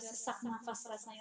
sesak nafas rasanya